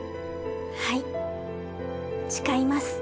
はい誓います。